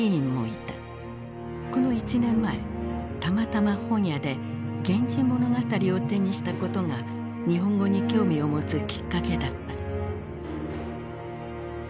この１年前たまたま本屋で「源氏物語」を手にしたことが日本語に興味を持つきっかけだった。